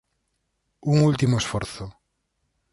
Un último esforzo.